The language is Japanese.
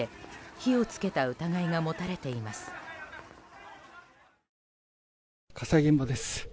火災現場です。